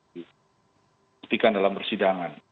diketikan dalam persidangan